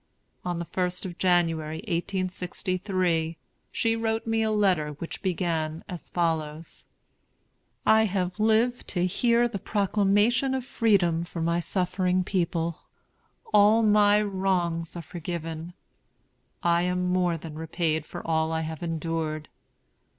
On the 1st of January, 1863, she wrote me a letter, which began as follows: "I have lived to hear the Proclamation of Freedom for my suffering people. All my wrongs are forgiven. I am more than repaid for all I have endured.